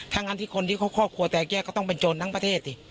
ท่างานที่คนที่ครอบครัวแตกแยกก็จะเป็นจนทั้งประเทศ